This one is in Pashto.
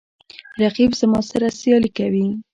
رقیب زما سره سیالي کوي